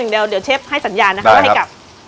เดี๋ยวเชฟให้สัญญาณว่ากลับ